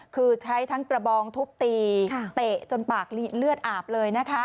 คือใช้ทั้งกระบองทุบตีเตะจนปากเลือดอาบเลยนะคะ